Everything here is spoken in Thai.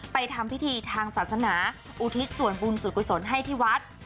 ทำพิธีทางศาสนาอุทิศส่วนบุญส่วนกุศลให้ที่วัด